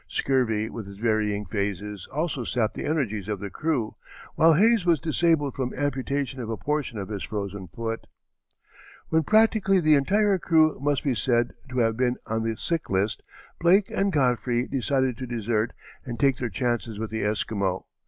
Scurvy with its varying phases also sapped the energies of the crew, while Hayes was disabled from amputation of a portion of his frozen foot. When practically the entire crew must be said to have been on the sick list, Blake and Godfrey decided to desert and take their chances with the Esquimaux.